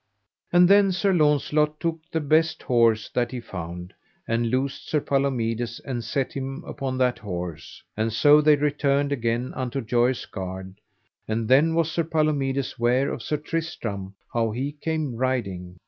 And then Sir Launcelot took the best horse that he found, and loosed Sir Palomides and set him upon that horse; and so they returned again unto Joyous Gard, and then was Sir Palomides ware of Sir Tristram how he came riding.